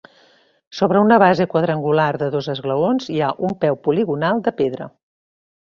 Sobre una base quadrangular de dos esglaons hi ha un peu poligonal de pedra.